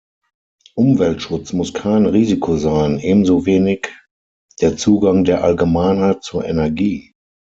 Umweltschutz muss kein Risiko sein, ebenso wenig der Zugang der Allgemeinheit zur Energie.